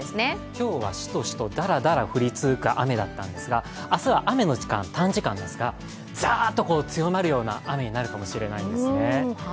今日はしとしとだらだら降り続く雨だったんですが明日は雨の時間、短時間ですがザーッと強まるような雨になるかもしれないですね。